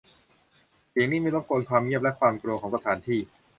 เสียงนี้ไม่รบกวนความเงียบและความกลัวของสถานที่